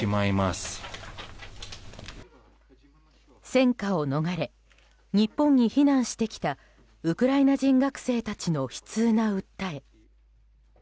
戦禍を逃れ日本に避難してきたウクライナ人学生たちの悲痛な訴え。